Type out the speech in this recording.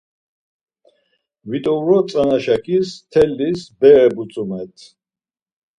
Vit̆ovro tzana şaǩiz telliz bere butzumert̆.